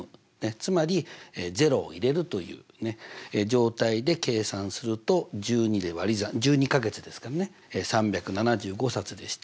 つまり０を入れるという状態で計算すると１２で割り算１２か月ですからね３７５冊でした。